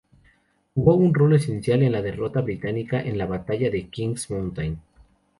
Jugó un rol esencial en la derrota británica en la Batalla de Kings Mountain.